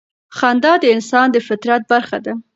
خندا د انسان د فطرت برخه ده.